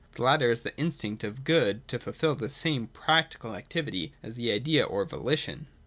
The latter is the instinct of the Good to fulfil the same — the Practical activity of the idea or VoHtion.